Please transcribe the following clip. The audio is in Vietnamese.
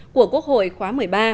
của quốc hội khóa một mươi ba